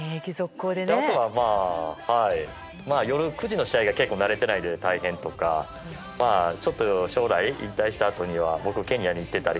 あとは、夜９時の試合が慣れていないので大変とかちょっと将来引退したあとには僕はケニアに行っていたり。